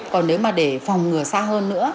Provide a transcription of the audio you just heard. còn nếu mà để phòng ngựa xa hơn nữa